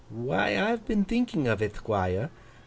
'Why, I've been thinking of it, Thquire.